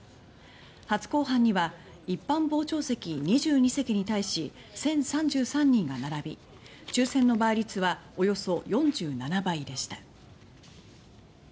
初公判には一般傍聴席２２席に対し１０３３人が並び、抽選の倍率はおよそ４７倍でした。